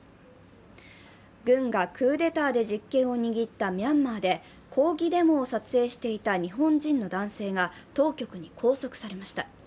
軍がクーデターで実権を握ったミャンマーで抗議デモを撮影していた日本人の男性が当局に拘束されました。